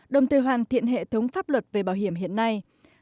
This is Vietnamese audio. đồng thời hoàn thiện hệ thống pháp luật về bảo hiểm hiện nay